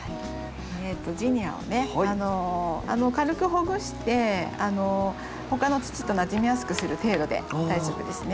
ジニアをね軽くほぐして他の土となじみやすくする程度で大丈夫ですね。